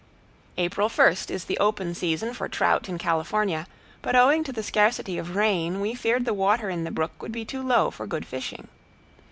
April first is the open season for trout in California, but owing to the scarcity of rain we feared the water in the brook would be too low for good fishing.